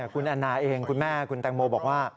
คุณแอนนาเองคุณแม่คุณแตงโมบอกว่า